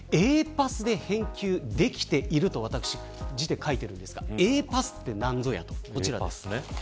Ａパスで返球できている、と書いているんですがＡパスってなんぞやというとこちらです。